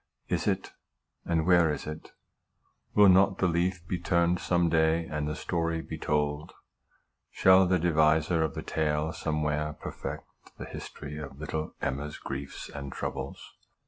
Is it? And where is it ? Will not the leaf be turned some day, and the story be told ? Shall the deviser of the tale somewhere perfect the history of little EMMA'S griefs and troubles?